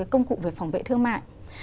công cụ về phòng vệ thương mại